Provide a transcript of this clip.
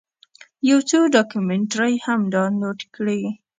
یو څو ډاکمنټرۍ هم ډاونلوډ کړې.